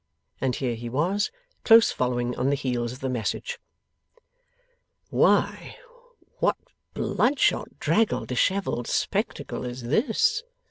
And here he was, close following on the heels of the message. 'Why what bloodshot, draggled, dishevelled spectacle is this!